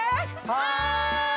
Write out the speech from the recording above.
はい！